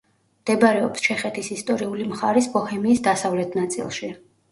მდებარეობს ჩეხეთის ისტორიული მხარის ბოჰემიის დასავლეთ ნაწილში.